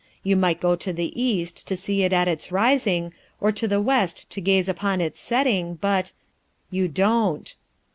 You might go to the East to see it at its rising, or to the West to gaze upon its setting, but you don't.